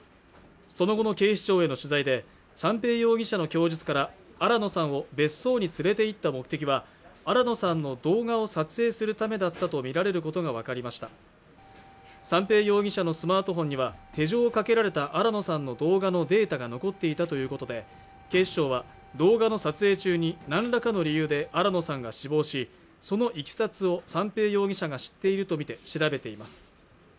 その後の警視庁への取材で三瓶容疑者の供述から新野さんを別荘に連れて行った目的は新野さんの動画を撮影するためだったと見られることが分かりました三瓶容疑者のスマートフォンには手錠をかけられた新野さんの動画のデータが残っていたということで警視庁は動画の撮影中に何らかの理由で新野さんが死亡しその経緯を三瓶容疑者が知っているとみて調べています